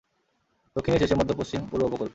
দক্ষিণের শেষে, মধ্য পশ্চিম, পূর্ব উপকূল।